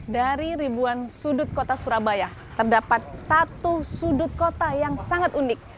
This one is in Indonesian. dari ribuan sudut kota surabaya terdapat satu sudut kota yang sangat unik